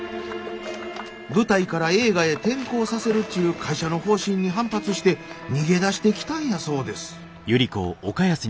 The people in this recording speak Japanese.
舞台から映画へ転向させるっちゅう会社の方針に反発して逃げ出してきたんやそうです。